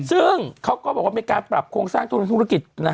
ซึ่งเขาก็บอกว่าเป็นการปรับคงสร้างการทุกรศักดิ์